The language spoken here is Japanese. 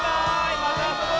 またあそぼうね。